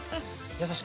優しく。